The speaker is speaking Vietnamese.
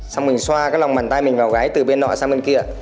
xong mình xoa cái lòng bàn tay mình vào gái từ bên nọ sang bên kia